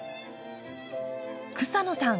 草野さん